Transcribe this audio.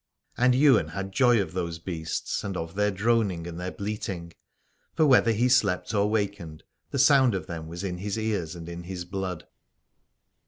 178 Aladore And Ywain had joy of those beasts and of their droning and their bleating : for whether he slept or wakened the sound of them was in his ears and in his blood.